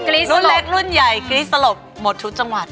รุ่นเล็กรุ่นใหญ่กรี๊ดสลบหมดทุกจังหวัด